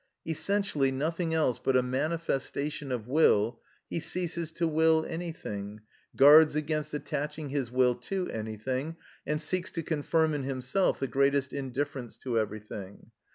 Essentially nothing else but a manifestation of will, he ceases to will anything, guards against attaching his will to anything, and seeks to confirm in himself the greatest indifference to everything.